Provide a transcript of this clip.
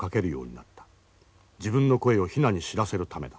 自分の声をヒナに知らせるためだ。